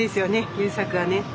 優作がね。